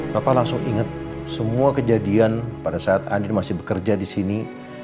bapak langsung ingat semua kejadian pada saat andi masih bekerja di sini